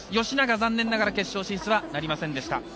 吉永、残念ながら決勝進出はなりませんでした。